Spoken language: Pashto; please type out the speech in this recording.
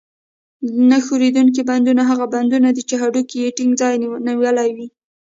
نه ښورېدونکي بندونه هغه بندونه دي چې هډوکي یې ټینګ ځای نیولی وي.